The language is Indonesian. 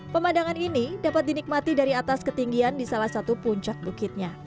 pemandangan ini dapat dinikmati dari atas ketinggian di salah satu puncak bukitnya